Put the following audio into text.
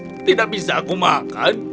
aku tidak bisa makan